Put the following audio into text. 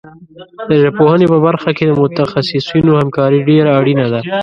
د ژبپوهنې په برخه کې د متخصصینو همکاري ډېره اړینه ده.